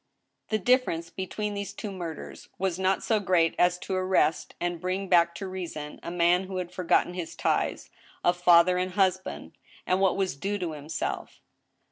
The difference between these two murders was not so great as to arrest and bring back to reason a man who had forgotten his ties of father and husband, and what was due to himself.